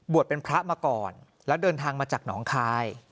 เป็นพระมาก่อนแล้วเดินทางมาจากหนองคาย